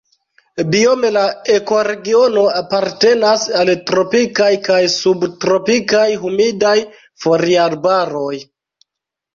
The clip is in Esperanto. Biome la ekoregiono apartenas al tropikaj kaj subtropikaj humidaj foliarbaroj.